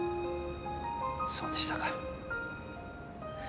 そうでしたか。